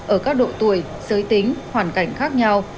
ở các độ tuổi giới tính hoàn cảnh khác nhau